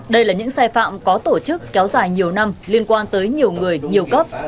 đây là những sai phạm có tổ chức kéo dài nhiều năm liên quan tới nhiều người nhiều cấp